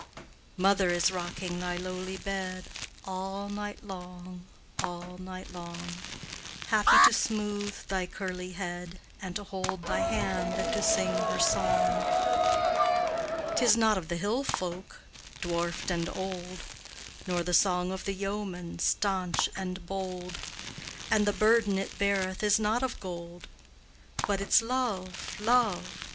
Mother is rocking thy lowly bed All night long, all night long, Happy to smooth thy curly head And to hold thy hand and to sing her song; 'T is not of the hill folk, dwarfed and old, Nor the song of the yeoman, stanch and bold, And the burden it beareth is not of gold; But it's "Love, love!